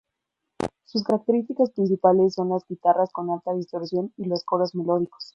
Sus características principales son las guitarras con alta distorsión y los coros melódicos.